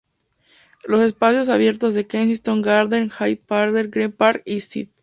Los espacios abiertos de Kensington Gardens, Hyde Park, Green Park y St.